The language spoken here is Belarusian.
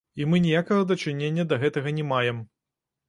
І мы ніякага дачынення да гэтага не маем.